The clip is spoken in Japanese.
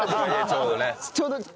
ちょうど。